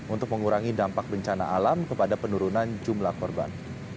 untuk mengurangi dampak bencana alam kepada penurunan jumlah korban